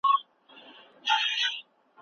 مطالعې ته په خپلو ورځنیو چارو کې وخت ورکړئ.